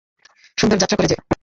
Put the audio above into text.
সুন্দর যাত্রা করে যে!